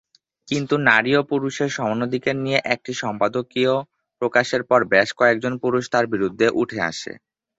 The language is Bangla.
কিন্তু নারী ও পুরুষের সমান অধিকার নিয়ে একটি সম্পাদকীয় প্রকাশের পর বেশ কয়েকজন পুরুষ তার বিরুদ্ধে উঠে আসে।